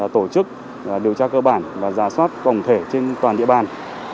tổ chức điều tra cơ bản và giả soát tổng thể trên toàn địa bàn